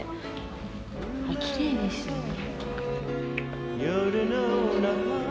きれいですよね。